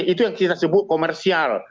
itu yang kita sebut komersial